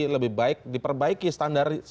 lebih baik diperbaiki standar